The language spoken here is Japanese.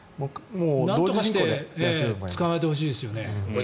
なんとかして捕まえてほしいですね。